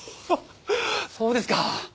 そうですか！